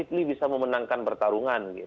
bisa relatifly bisa memenangkan pertarungan